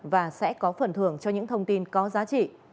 và sẽ có phần thưởng cho những thông tin có giá trị